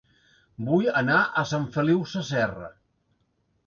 Vull anar a Sant Feliu Sasserra